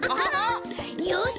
よし！